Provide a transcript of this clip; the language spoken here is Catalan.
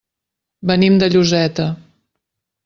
Venim de Lloseta.